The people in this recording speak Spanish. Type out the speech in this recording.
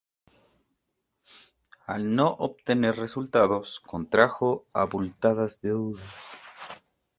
Al no obtener resultados, contrajo abultadas deudas.